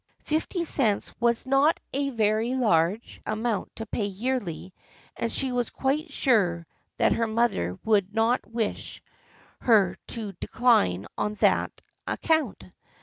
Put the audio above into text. Fifty cents was not a very large amount to pay yearly and she was quite sure that her mother would not wish her to decline on that account.